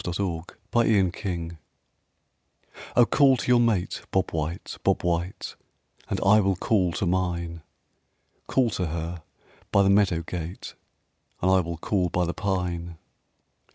CALL TO YOUR MATE, BOB WHITE O call to your mate, bob white, bob white, And I will call to mine. Call to her by the meadow gate, And I will call by the pine.